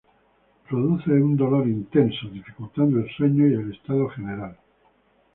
Produce un dolor intenso, dificultando el sueño y el estado general.